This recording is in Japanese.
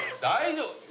大丈夫？